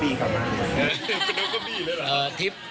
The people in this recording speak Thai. เดี๋ยวน้องกระบีกลับมา